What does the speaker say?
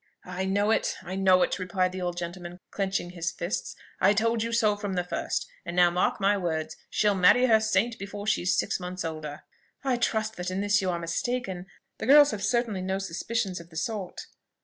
"I know it, I know it!" replied the old gentleman, clenching his fists. "I told you so from the first: and now mark my words, she'll marry her saint before she's six months older." "I trust that in this you are mistaken. The girls have certainly no suspicions of the sort."